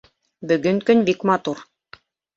Бөгөн көн бик матур.